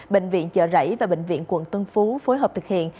bệnh viện chợ rẫy và bệnh viện quận tân phú phối hợp thực hiện